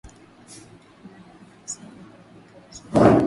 na hili si jambo la kupuuzwa